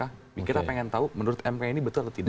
kita pengen tahu menurut mk ini betul atau tidak